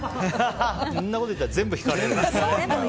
そんなこと言ったら全部引かれる。